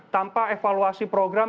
tanpa evaluasi program